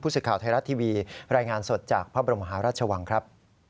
สื่อข่าวไทยรัฐทีวีรายงานสดจากพระบรมหาราชวังครับ